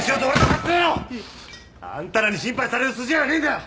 ひっ。あんたらに心配される筋合いはねえんだ！